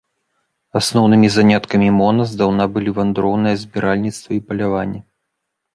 Асноўнымі заняткамі мона здаўна былі вандроўнае збіральніцтва і паляванне.